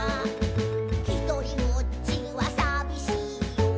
「ひとりぼっちはさびしいよ」